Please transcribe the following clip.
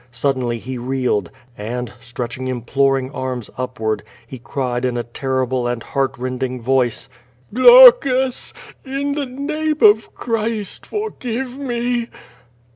Suddenly he reeled, and, stretching im ploring arms upward, he cried in a terrible and heartrending voice: "Glaucus! in the name of Clirist! forgive me!"